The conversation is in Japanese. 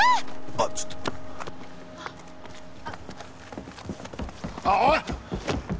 あっちょっとあっあっおい！